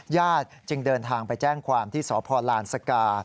จึงเดินทางไปแจ้งความที่สพลานสกา